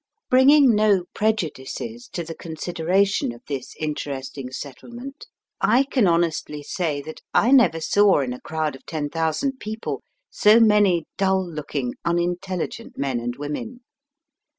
Bringing no prejudices to the consideration of this interesting settlement, I can honestly say that I never saw in a crowd of ten thousand people so many dull looking, unintelligent men and women.